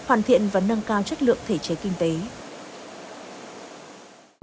hoàn thiện và nâng cao chất lượng thể chế kinh tế